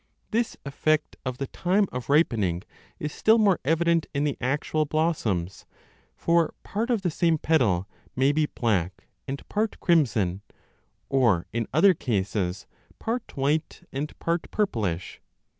This effect of the time of ripening is still more evident in the actual blossoms. For part of the same petal may be black and part crimson, or, in other cases, part white and part purplish.